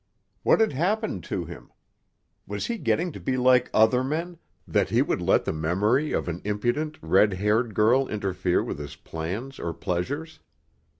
What had happened to him? Was he getting to be like other men, that he would let the memory of an impudent, red haired girl interfere with his plans or pleasures?